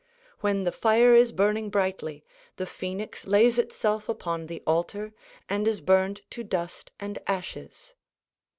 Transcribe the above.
When the fire is burning brightly, the phoenix lays itself upon the altar and is burned to dust and ashes.